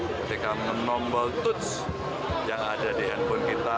ketika menombol toots yang ada di handphone kita